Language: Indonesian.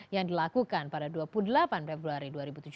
yang dilakukan pada dua puluh delapan februari dua ribu tujuh belas